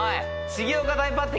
「重岡大抜擢」